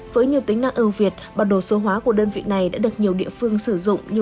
với nhiều tính năng ưu việt bản đồ số hóa của đơn vị này đã được nhiều địa phương sử dụng như